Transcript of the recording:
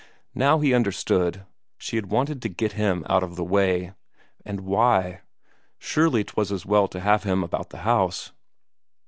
Now he understood; she had wanted to get him out of the way. And why? Surely 'twas as well to have him about the house.